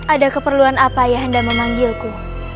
ada keperluan apa ayah henda memanggilku